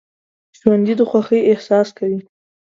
ژوندي د خوښۍ احساس کوي